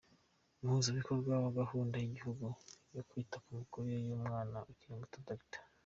Umuhuzabikorwa wa Gahunda y’Igihugu yo kwita ku mikurire y’umwana ukiri muto, Dr.